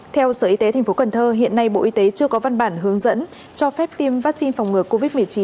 theo sở y tế tp cần thơ hiện nay bộ y tế chưa có văn bản hướng dẫn cho phép tiêm vaccine phòng ngừa covid một mươi chín